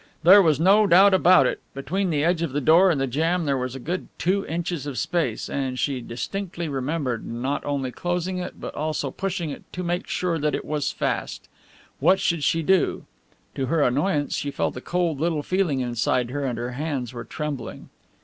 There was no doubt about it, between the edge of the door and the jamb there was a good two inches of space, and she distinctly remembered not only closing it, but also pushing it to make sure that it was fast. What should she do? To her annoyance she felt a cold little feeling inside her and her hands were trembling.